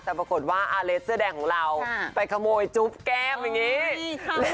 แต่ปรากฏว่าอาเลสเสื้อแดงของเราไปขโมยจุ๊บแก้มอย่างนี้ค่ะ